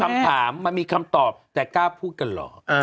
คำถามมันมีคำตอบแต่กล้าพูดกันเหรอ